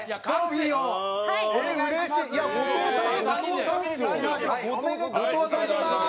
品庄おめでとうございます！